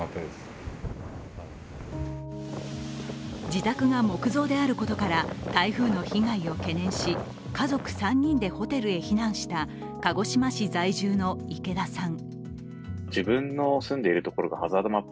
自宅が木造であることから台風の被害を懸念し家族３人でホテルに避難した鹿児島市在住の池田さん。